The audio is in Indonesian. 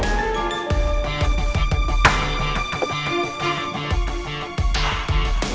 lalu aku mau kemana